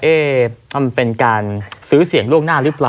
เอ๊ะเอ้มันเป็นการซื้อเสียงลวกหน้ารึเปล่า